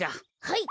はい。